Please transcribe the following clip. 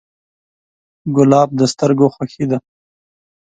ګلاب د سترګو خوښي ده.